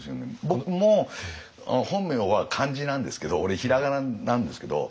僕も本名は漢字なんですけど俺平仮名なんですけど。